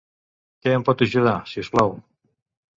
Que em pot ajudar, si us plau?